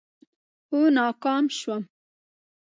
خو ناکام شوم.